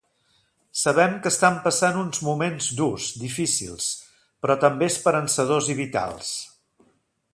Sabem que estan passant uns moments durs, difícils, però també esperançadors i vitals.